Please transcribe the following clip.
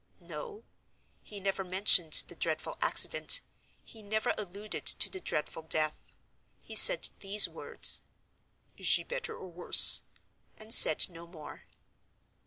No: he never mentioned the dreadful accident, he never alluded to the dreadful death. He said these words, "Is she better, or worse?" and said no more.